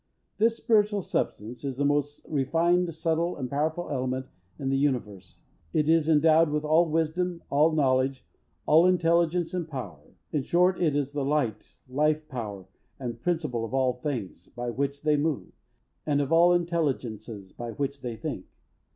This spiritual substance is the most refined, subtle, and powerful element in the universe. It is endowed with all wisdom, all knowledge, all intelligence and power. In short, it is the light, life, power and principle of all things, by which they move; and of all intelligences, by which they think.